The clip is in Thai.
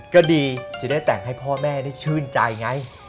ก็ดีจะได้แต่งให้พ่อแม่ได้ชื่นใจไง